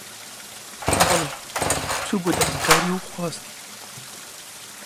بەڵی، چوو بۆ داواکاری و خواستی